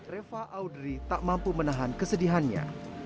reva audrey tak mampu menahan kesedihannya